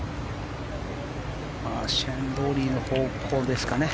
シェーン・ロウリーの方向ですかね。